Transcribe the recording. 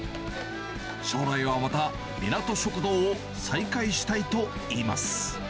将来はまた、みなと食堂を再開したいといいます。